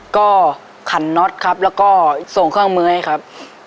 ก็ขันน็อตครับแล้วก็ส่งเครื่องมือให้ครับ